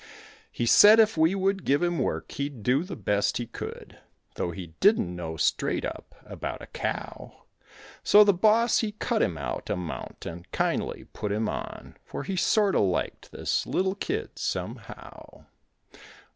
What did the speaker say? He said if we would give him work, he'd do the best he could, Though he didn't know straight up about a cow; So the boss he cut him out a mount and kindly put him on, For he sorta liked this little kid somehow.